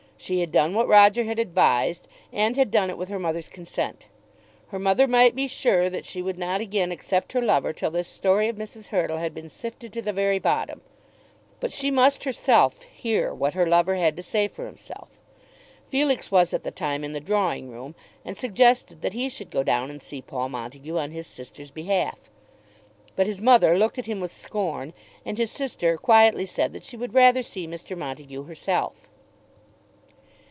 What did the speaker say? She had done what Roger had advised, and had done it with her mother's consent. Her mother might be sure that she would not again accept her lover till this story of Mrs. Hurtle had been sifted to the very bottom. But she must herself hear what her lover had to say for himself. Felix was at the time in the drawing room and suggested that he should go down and see Paul Montague on his sister's behalf; but his mother looked at him with scorn, and his sister quietly said that she would rather see Mr. Montague herself.